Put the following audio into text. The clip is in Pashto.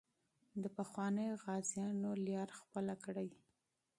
د پخوانیو غازیانو لار تعقیب کړئ.